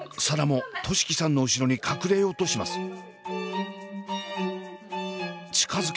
紗蘭も寿輝さんの後ろに隠れようとします。